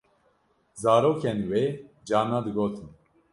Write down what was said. Zarokên wê carna digotin.